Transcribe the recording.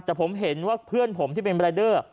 แต่ผมเห็นว่าเพื่อนผมที่เป็นรายเดอร์